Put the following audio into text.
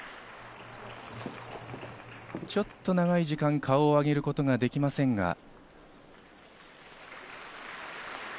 ちょっと長い時間、顔を上げることができませんが。